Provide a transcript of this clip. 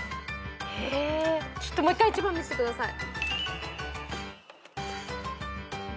ちょっともう１回１番見せてください。